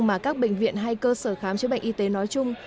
mà các bệnh viện hay cơ sở khám chữa bệnh y tế nói chung